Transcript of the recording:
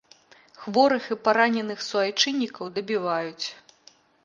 Хворых і параненых суайчыннікаў дабіваюць.